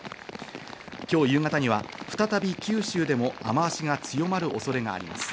今日夕方には再び九州でも雨脚が強まる恐れがあります。